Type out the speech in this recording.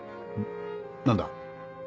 何だ？